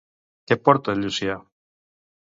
Què porta el Llucià?